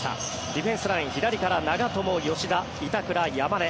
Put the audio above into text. ディフェンスライン、左から長友、吉田、板倉、山根。